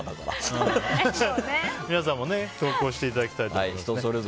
皆さんも投稿していただきたいと思います。